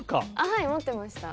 はい持ってました。